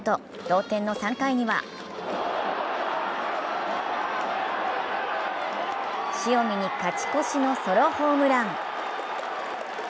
同点の３回には塩見に勝ち越しのソロホームラン。